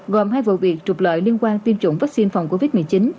gồm hai vụ việc trục lợi liên quan tiêm chủng vaccine phòng covid một mươi chín